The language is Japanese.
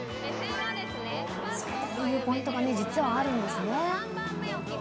こういうポイントがね、実はあるんですね。